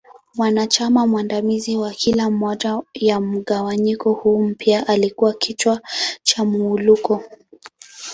Mwanachama mwandamizi wa kila moja ya mgawanyiko huu mpya alikua kichwa cha Muwuluko.